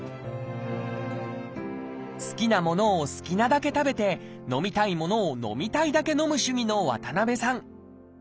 好きなものを好きなだけ食べて飲みたいものを飲みたいだけ飲む主義の渡さん。